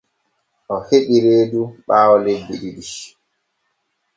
O heɓi reedu ɓaawo lebbi ɗiɗi.